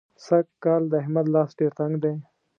سږکال د احمد لاس ډېر تنګ دی.